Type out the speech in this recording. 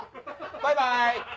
バイバイ。